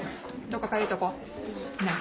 どっかかゆいとこは？